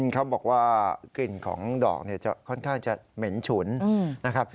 เขาบอกว่ากลิ่นของดอกจะค่อนข้างจะเหม็นฉุนนะครับ